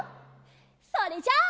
それじゃあ。